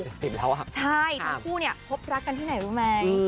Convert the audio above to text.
คุณผู้พบรักกันที่ไหนรู้ไหม